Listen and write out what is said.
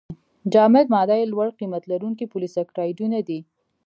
جامد ماده یې لوړ قیمت لرونکي پولې سکرایډونه دي.